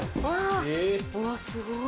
うわすごい。